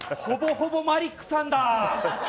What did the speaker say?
ほぼほぼマリックさんだー。